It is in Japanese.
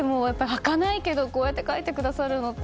はかないけど、こうやって描いてくださるのって。